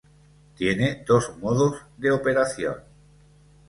Tiene dos modos de operación.